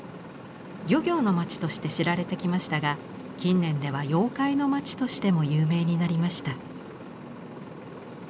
漁業の町として知られてきましたが近年では妖怪の町としても有名になりました。